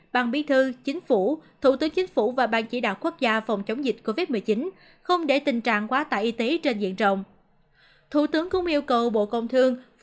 ban bí thư chính phủ thủ tướng chính phủ và ban chỉ đạo quốc gia phòng chống dịch covid một mươi chín không để tình trạng quá tải y tế trên diện rộng